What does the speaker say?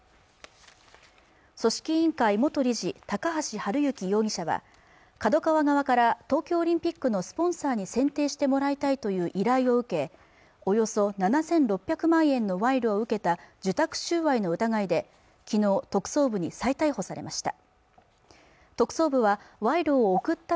組織委員会元理事高橋治之容疑者はＫＡＤＯＫＡＷＡ側から東京オリンピックのスポンサーに選定してもらいたいという依頼を受けおよそ７６００万円の賄賂を受けた受託収賄の疑いで昨日特捜部に再逮捕されました